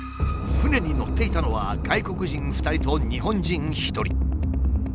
船に乗っていたのは外国人２人と日本人１人。